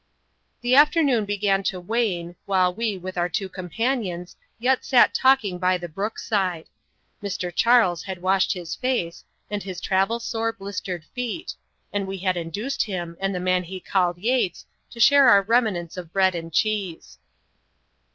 The afternoon began to wane, while we, with our two companions, yet sat talking by the brook side. Mr. Charles had washed his face, and his travel sore, blistered feet, and we had induced him, and the man he called Yates, to share our remnants of bread and cheese.